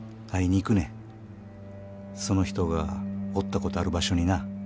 その人がおったことある場所にな。